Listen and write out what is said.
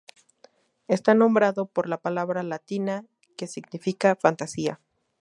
Está nombrado por la palabra latina que significa "fantasía".